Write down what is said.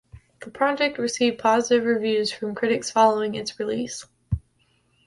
The project received positive reviews from critics following its release.